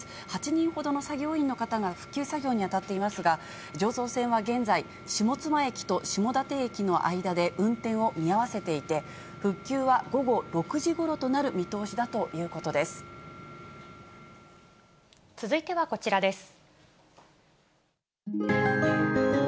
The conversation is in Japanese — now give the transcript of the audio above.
８人ほどの作業員の方が復旧作業に当たっていますが、常総線は現在、下妻駅と下館駅の間で運転を見合わせていて、復旧は午後６時ごろ続いてはこちらです。